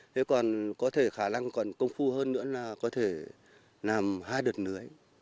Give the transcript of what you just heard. thế còn có thể khả năng còn công phu hơn nữa là có thể làm hai đợt nưới